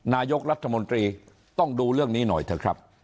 นายกรัฐมนตรีต้องดูเรื่องนี้หน่อยเถอะครับ